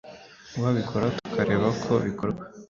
uwabikora tukareba uko bikorwa